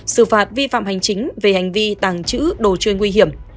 xử phạt vi phạm hành chính về hành vi tàng trữ đồ chơi nguy hiểm